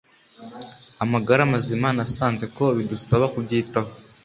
amagara mazima Nasanze ko bidusaba kubyitaho